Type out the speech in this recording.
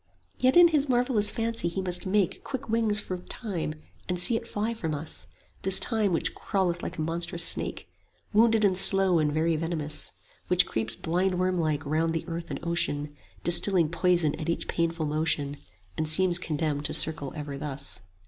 Yet in his marvellous fancy he must make 15 Quick wings for Time, and see it fly from us; This Time which crawleth like a monstrous snake, Wounded and slow and very venomous; Which creeps blindwormlike round the earth and ocean, Distilling poison at each painful motion, 20 And seems condemned to circle ever thus.